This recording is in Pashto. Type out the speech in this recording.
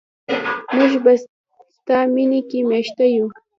موږ په ستا مینه کې میشته یو.